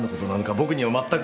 僕には全く。